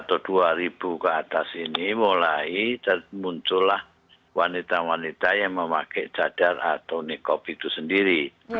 atau dua ribu ke atas ini mulai muncullah wanita wanita yang memakai cadar atau nikob itu sendiri